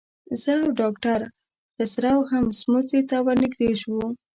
زه او ډاکټر خسرو هم سموڅې ته ورنږدې شو.